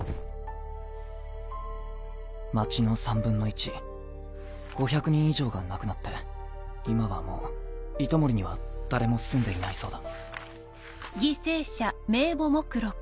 町の３分の１５００人以上が亡くなって今はもう糸守には誰も住んでいないそうだ。